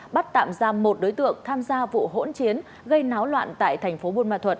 bắt tạm giam một đối tượng tham gia vụ hỗn chiến gây náo loạn tại thành phố buôn ma thuật